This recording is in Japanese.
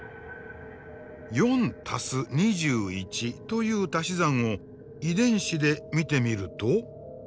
４＋２１というたし算を遺伝子で見てみると。